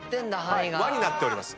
輪になっております。